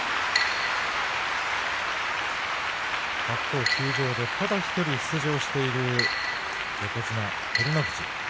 白鵬休場で、ただ１人出場している横綱照ノ富士。